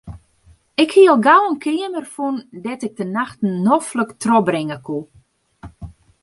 Ik hie al gau in keamer fûn dêr't ik de nachten noflik trochbringe koe.